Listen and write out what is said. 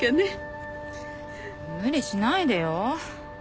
無理しないでよ。